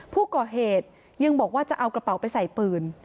ผู้ก่อเหตุยังบอกว่าจะเอากระเป๋าไปใส่ปืน